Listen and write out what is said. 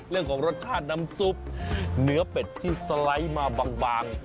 เรื่องของรสชาติน้ำซุปเนื้อเป็ดที่สไลด์มาบาง